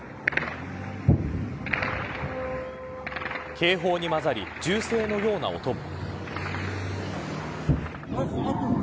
警報に交ざり銃声のような音も。